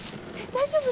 大丈夫？